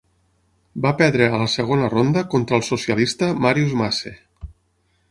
Va perdre a la segona ronda contra el socialista Marius Masse.